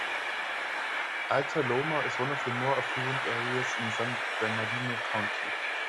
Alta Loma is one of the more affluent areas in San Bernardino County.